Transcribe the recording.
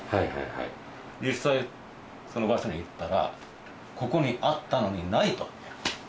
実際その場所に行ったらここにあったのにないと。